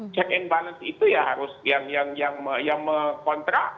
check and balance itu ya harus yang kontrak